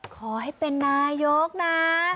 ขอให้เป็นนายกนะ